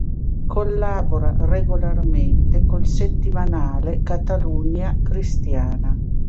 Collabora regolarmente col settimanale "Catalunya Cristiana".